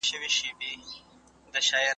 څېړونکی باید بې طرفه وي.